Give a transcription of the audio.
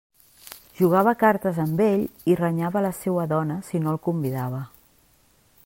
Jugava a cartes amb ell i renyava la seua dona si no el convidava.